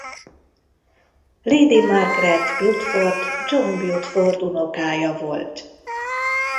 Lady Margaret Beaufort John Beaufort unokája volt.